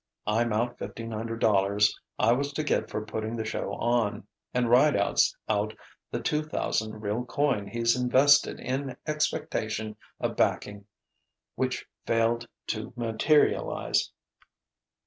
I'm out fifteen hundred dollars I was to get for putting the show on. And Rideout's out the two thousand real coin he's invested in expectation of backing which failed to materialize.